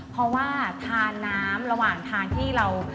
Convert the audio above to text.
เพราะว่าทานน้ำระหว่างทางที่เรา